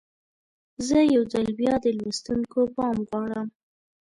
زه یو ځل بیا د لوستونکو پام غواړم.